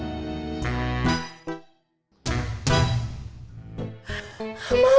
ya udah lu ambil satu